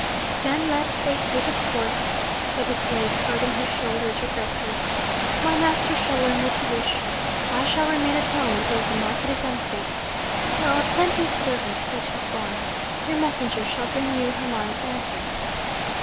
"Then let Fate take its course," said the slave, shrugging his shoulders regretfully. "My master shall learn what you wish. I shall remain at home until the market is empty. There are plenty of servants at your farm. Your messenger shall bring you Hermon's answer."